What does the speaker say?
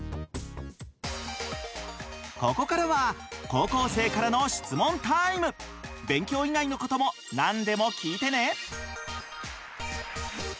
ここからは高校生からの勉強以外のことも何でも聞いてね！